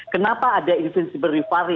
kenapa ada insensible rivalry